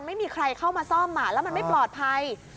ไม่มีใครเข้ามาซ่อมแล้วมันไม่ปลอดภัย